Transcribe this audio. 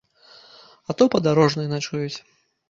А то падарожныя начуюць.